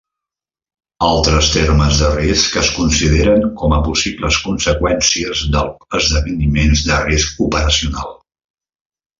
Altres termes de risc es consideren com a possibles conseqüències dels esdeveniments de risc operacional.